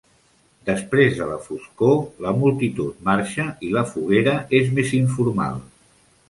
Després de la foscor, la multitud marxa i la foguera és més informal.